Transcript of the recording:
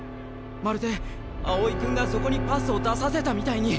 まるで青井君がそこにパスを出させたみたいに。